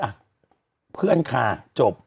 อ่ะเพื่อนค่ะจบ